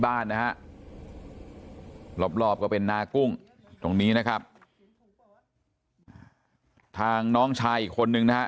บ้านนะฮะรอบรอบก็เป็นนากุ้งตรงนี้นะครับทางน้องชายอีกคนนึงนะฮะ